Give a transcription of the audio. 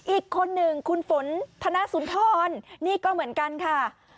อีกคนหนึ่งคุณฝนธนสุนทรนี่ก็เหมือนกันค่ะ